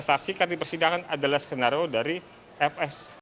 dan saksikan di persidangan adalah skenario dari fs